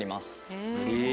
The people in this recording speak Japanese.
へえ。